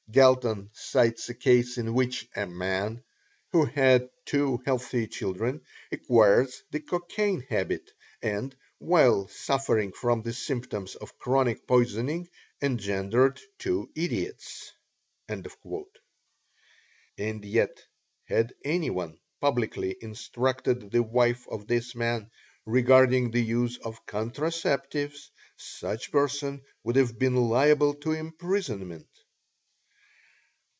Galton cites a case in which "a man who had had two healthy children acquired the cocaine habit, and while suffering from the symptoms of chronic poisoning engendered two idiots." And yet had anyone publicly instructed the wife of this man regarding the use of contraceptives, such person would have been liable to imprisonment!